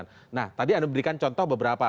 nah tadi anda berikan contoh beberapa